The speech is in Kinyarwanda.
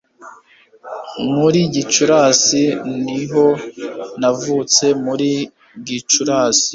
muri gicurasi niho navutse muri gicurasi